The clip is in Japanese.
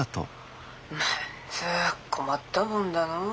まんず困ったもんだの。